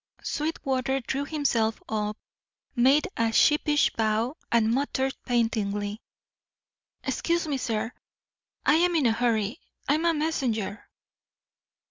Sweetwater drew himself up, made a sheepish bow, and muttered pantingly: "Excuse me, sir. I'm in a hurry; I'm a messenger."